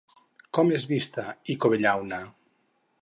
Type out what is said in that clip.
Com és vista Icovellauna?